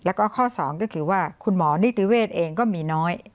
แล้วก็ข้อ๒ก็คือว่าคุณหมอนิติเวศเองก็มีน้อย